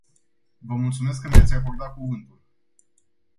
Vă mulțumesc că mi-ați acordat cuvântul.